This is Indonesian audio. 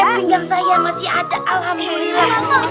di pinggang saya masih ada alhamdulillah